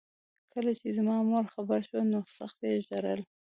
کله چې زما مور خبره شوه نو سخت یې ژړل